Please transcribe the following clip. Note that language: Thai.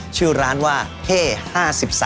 ชื่อร้านว่าเฮ้๕๐นาที